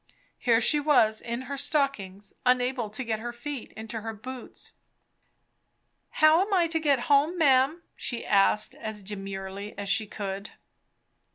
Here she was in her stockings, unable to get her feet into her boots. "How am I to get home, ma'am?" she asked as demurely as she could.